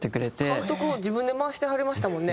監督自分で回してはりましたもんね